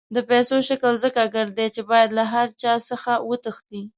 د پیسو شکل ځکه ګردی دی چې باید له هر چا څخه وتښتي.